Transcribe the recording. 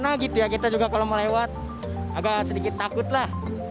karena gitu ya kita juga kalau mau lewat agak sedikit takut lah